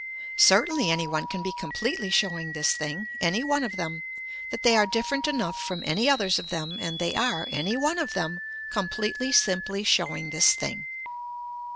Certainly any one can be completely showing this thing, any one of them, that they are different enough from any others of them and they are, any one of them, completely simply showing this thing.